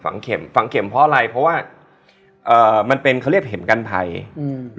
เข็มฝังเข็มเพราะอะไรเพราะว่าเอ่อมันเป็นเขาเรียกเข็มกันภัยอืม